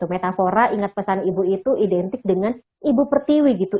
metafora ingat pesan ibu itu identik dengan ibu pertiwi gitu